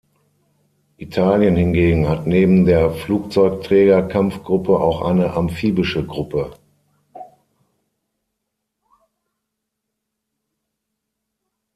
Italien hingegen hat neben der Flugzeugträgerkampfgruppe auch eine amphibische Gruppe.